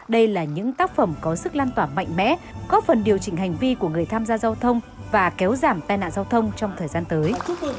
đây là những tác phẩm có sức lan tỏa mạnh mẽ có phần điều chỉnh hành vi của người tham gia giao thông và kéo giảm tai nạn giao thông trong thời gian tới